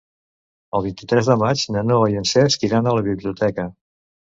El vint-i-tres de maig na Noa i en Cesc iran a la biblioteca.